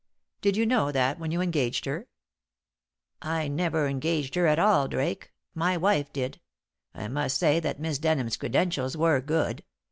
"Did you know that when you engaged her?" "I never engaged her at all, Drake. My wife did. I must say that Miss Denham's credentials were good.